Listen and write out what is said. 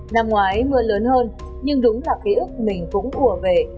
năm ngoái mưa lớn hơn nhưng đúng là ký ức mình cũng ùa về